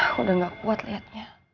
aku udah gak kuat lihatnya